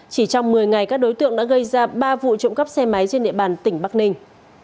chỉ trong một mươi ngày các đối tượng đã gây ra ba vụ trộm cắp xe máy trên địa bàn tỉnh bắc ninh